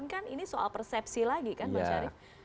ini kan soal persepsi lagi kan bang sharif